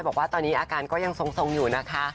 บอกว่าตอนนี้อาการก็ยังทรงอยู่นะคะ